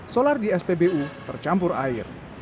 solar di spbu tercampur air